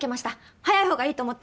早いほうがいいと思って。